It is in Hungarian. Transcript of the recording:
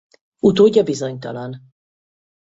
Utódja bizonytalan.